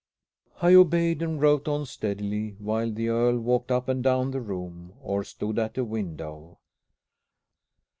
I obeyed, and wrote on steadily, while the earl walked up and down the room, or stood at a window.